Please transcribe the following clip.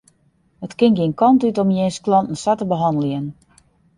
It kin gjin kant út om jins klanten sa te behanneljen.